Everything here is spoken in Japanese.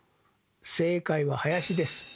正解は林です。